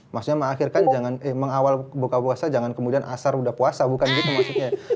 maksudnya mengawal buka puasa jangan kemudian asar udah puasa bukan gitu maksudnya